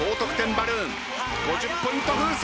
バルーン５０ポイント風船。